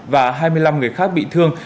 và hai mươi năm người khác bị thương